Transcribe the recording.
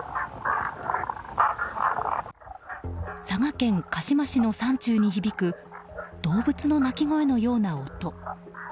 佐賀県鹿島市の山中に響く動物の鳴き声のような音。